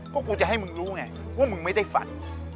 ก็กูจะให้มึงรู้ไงว่ามึงไม่ได้ฝัน